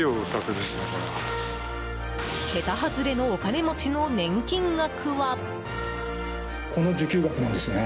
桁外れのお金持ちの年金額は。